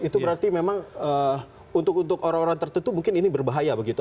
itu berarti memang untuk orang orang tertentu mungkin ini berbahaya begitu